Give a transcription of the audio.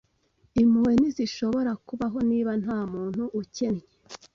Impuhwe ntizishobora kubaho, Niba nta muntu ukennye